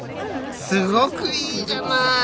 すごくいいじゃない！